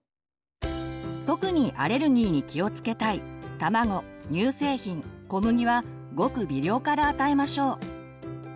特にアレルギーに気をつけたい卵乳製品小麦はごく微量から与えましょう。